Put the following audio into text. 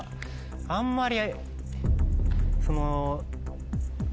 あんまり。